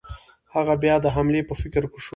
هغه بیا د حملې په فکر کې شو.